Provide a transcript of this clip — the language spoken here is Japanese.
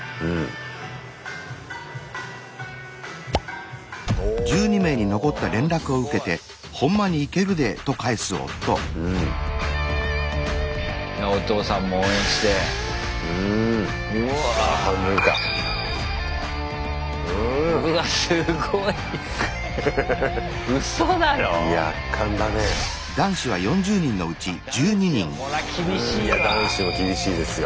うんいや男子も厳しいですよ。